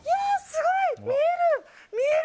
すごい、見える！